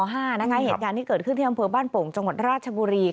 เหตุการณ์ที่เกิดขึ้นที่อำเภอบ้านโป่งจังหวัดราชบุรี